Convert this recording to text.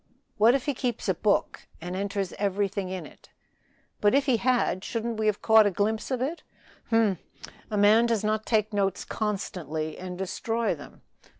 "What if he keeps a book and enters everything in it?" "But if he had, shouldn't we have caught a glimpse of it?" "Humph! A man does not take notes constantly and destroy them.